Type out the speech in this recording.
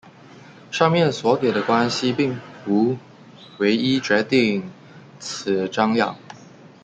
上面所给的关系并不唯一决定此张量。